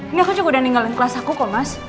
ini aku juga udah ninggalin kelas aku kok mas